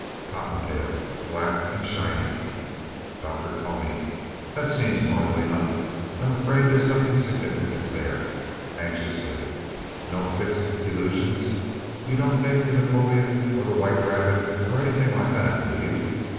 COTTONTAIL Black and shiny. DR. CONY That seems normal enough. I'm afraid there's nothing significant there. (Anxiously.) No fixed delusions? You don't think you're Napoleon or the White Rabbit or anything like that, do you?